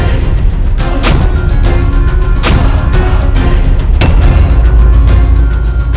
kau akan menyerangku